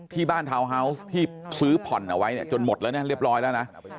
ทาวน์ฮาวส์ที่ซื้อผ่อนเอาไว้เนี่ยจนหมดแล้วเนี่ยเรียบร้อยแล้วนะ